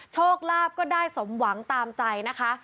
โชคลาภก็ได้สมหวังตามใจนะคะ